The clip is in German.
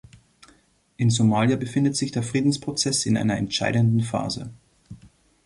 In Somalia befindet sich der Friedensprozess in einer entscheidenden Phase.